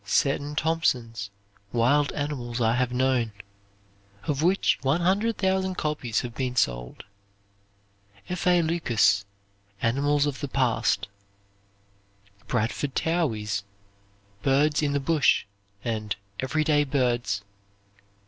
Seton Thompson's "Wild Animals I have Known"; of which 100,000 copies have been sold. F. A. Lucas' "Animals of the Past" Bradford Towey's "Birds in the Bush," and "Everyday Birds."